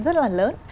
rất là lớn